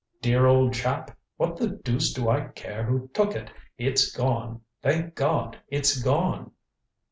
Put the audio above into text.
"Dear old chap. What the deuce do I care who took it. It's gone. Thank God it's gone."